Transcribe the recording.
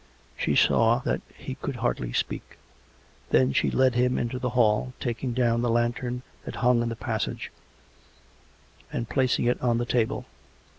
She saw that he could hardly speak. Then she led him into the hall, taking down the lantern that hung in the passage, and placing it on the table.